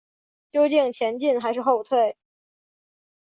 究竟前进还是后退？